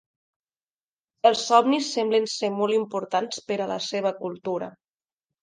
Els somnis semblen ser molt importants per a la seva cultura.